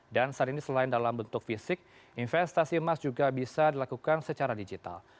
dan saat ini selain dalam bentuk fisik investasi emas juga bisa dilakukan secara digital